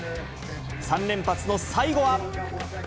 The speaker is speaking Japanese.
３連発の最後は。